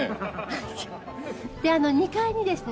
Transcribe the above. ２階にですね